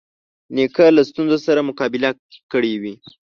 نیکه له ستونزو سره مقابله کړې وي.